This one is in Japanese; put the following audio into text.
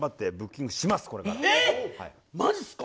マジっすか？